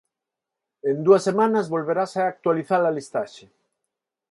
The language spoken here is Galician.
En dúas semanas volverase a actualizar a listaxe.